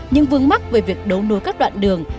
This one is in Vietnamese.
những vương mắc về việc đấu nối các đoạn đường